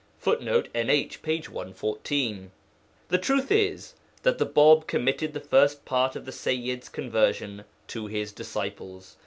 [Footnote: NH, p. 114.] The truth is that the Bāb committed the first part of the Sayyid's conversion to his disciples.